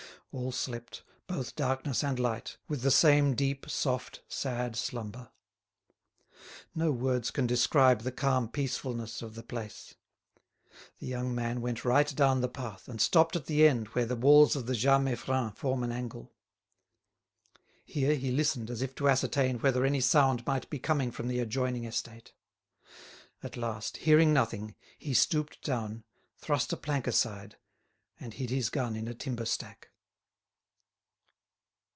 All slept, both darkness and light, with the same deep, soft, sad slumber. No words can describe the calm peacefulness of the place. The young man went right down the path, and stopped at the end where the walls of the Jas Meiffren form an angle. Here he listened as if to ascertain whether any sound might be coming from the adjoining estate. At last, hearing nothing, he stooped down, thrust a plank aside, and hid his gun in a timber stack.